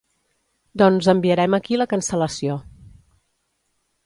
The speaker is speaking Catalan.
Doncs enviarem aquí la cancel·lació.